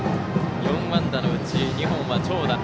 ４安打のうち２本は長打。